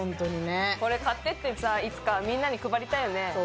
これ買っていっていつかみんなに配りたいよね。